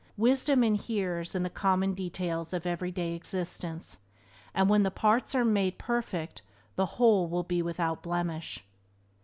Wisdom inheres in the common details of everyday existence, and when the parts are made perfect the Whole will be without blemish.